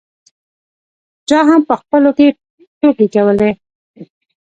چا هم په خپلو کې ټوکې کولې.